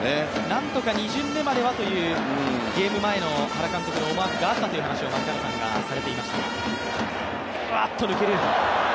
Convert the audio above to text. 何とか２巡目まではというゲーム前の原監督の思惑があったと槙原さんが話していましたが。